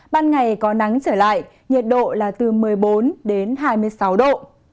ban ngày có nắng trở lại nhiệt độ là từ một mươi bốn đến hai mươi sáu độ